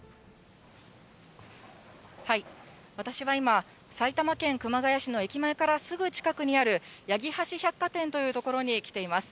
私は今、埼玉県熊谷市の駅前からすぐ近くにある、八木橋百貨店という所に来ています。